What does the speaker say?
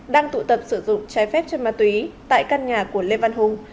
đang tụ tập sử dụng trái phép chất ma túy tại căn nhà của lê văn hùng